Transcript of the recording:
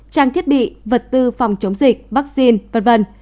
trang thiết bị vật tư phòng chống dịch vaccine v v